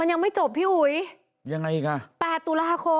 โอ้โห